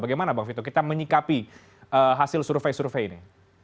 bagaimana bang vito kita menyikapi hasil survei survei ini